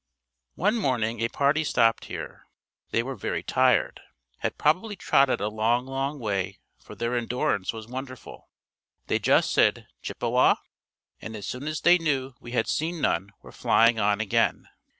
One morning a party stopped here. They were very tired. Had probably trotted a long, long way for their endurance was wonderful. They just said "Chippewa?" and as soon as they knew we had seen none were flying on again.